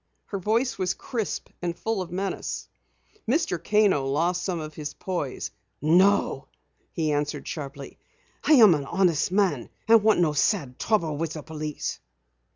Her voice was crisp and full of menace. Mr. Kano lost some of his poise. "No!" he answered sharply. "I am an honest man and want no sad trouble with the police."